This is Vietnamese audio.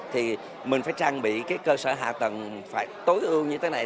thì mình phải trang bị cái cơ sở hạ tầng phải tối ưu như thế này